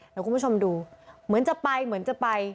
เดี๋ยวคุณผู้ชมดูเหมือนจะไปเหมือนจะไป